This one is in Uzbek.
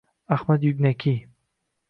Ahmad Yugnakiy